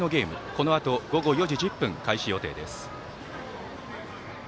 このあと午後４時１０分開始予定です。